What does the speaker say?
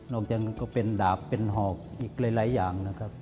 น้องฝนก็เป็นดาบเป็นเหรอดอีกหลายอย่างนะครับ